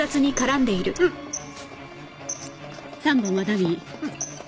３本はダミー。